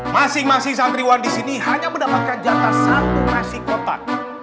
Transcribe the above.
masing masing santriwan di sini hanya mendapatkan jatah satu nasi kotak